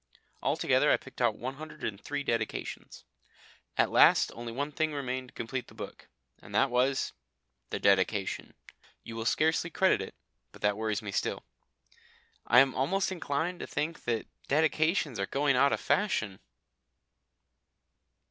Altogether I picked out one hundred and three dedications. At last only one thing remained to complete the book. And that was the Dedication. You will scarcely credit it, but that worries me still.... I am almost inclined to think that Dedications are going out of fashion.